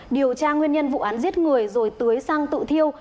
điều tra nguyên nhân vụ án giết người rồi tưới sang tự thiêu